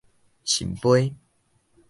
順桮